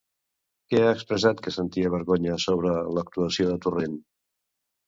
Qui ha expressat que sentia vergonya sobre l'actuació de Torrent?